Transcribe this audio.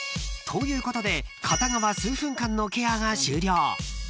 ［ということで片側数分間のケアが終了］